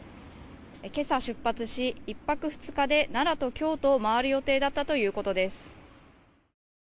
今朝出発し、１泊２日で奈良と京都を回る予定だったということです。